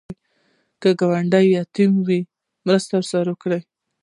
که ګاونډی یتیم وي، مرسته ورسره وکړه